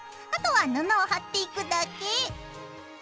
あとは布を貼っていくだけ。